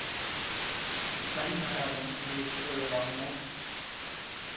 Se starým hradem jej spojoval most.